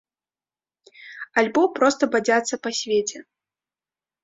Альбо проста бадзяцца па свеце.